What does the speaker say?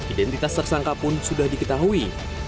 identitas tersangka pun sudah diketahui